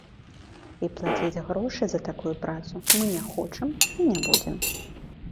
І плаціць грошы за такую працу мы не хочам і не будзем.